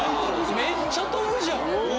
めっちゃ飛ぶじゃん！